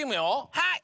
はい！